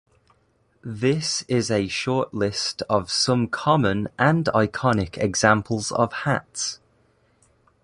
This is a short list of some common and iconic examples of hats.